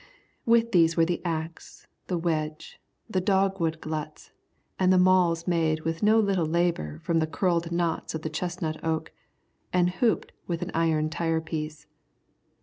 With these were the axe, the wedge, the dogwood gluts, and the mauls made with no little labour from the curled knots of the chestnut oak, and hooped with an iron tire piece.